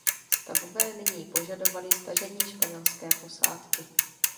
Stavové nyní požadovali stažení španělské posádky.